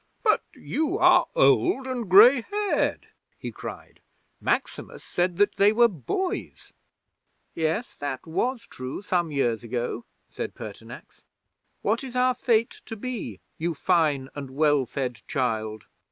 '"But you are old and grey haired," he cried. "Maximus said that they were boys." '"Yes, that was true some years ago," said Pertinax. "What is our fate to be, you fine and well fed child?"